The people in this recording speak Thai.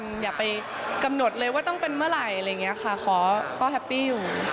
ก็อยากกำหนดเลยต้องเป็นเมื่อไหร่คือก็แฮปป์ปี้อยู่